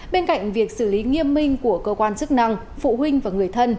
bên cạnh việc xử lý nghiêm minh của cơ quan chức năng phụ huynh và người thân